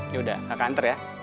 yaudah kakak antar ya